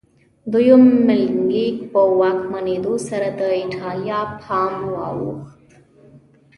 دویم منیلیک په واکمنېدو سره د ایټالیا پام واوښت.